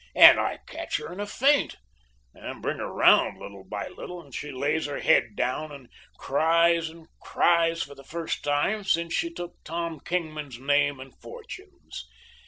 and I catch her in a faint, and bring her 'round little by little, and she lays her head down and cries and cries for the first time since she took Tom Kingman's name and fortunes.